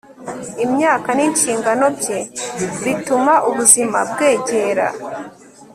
Imyaka ninshingano bye bituma ubuzima bwegera